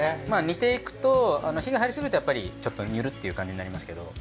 まあ煮ていくと火が入りすぎるとやっぱりちょっとニュルっていう感じになりますけど。